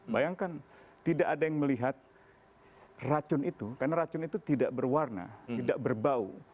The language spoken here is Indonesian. bayangkan tidak ada yang melihat racun itu karena racun itu tidak berwarna tidak berbau